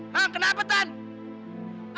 hah kenapa tante